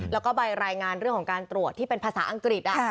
แล้วก็ใบรายงานเรื่องของการตรวจที่เป็นภาษาอังกฤษ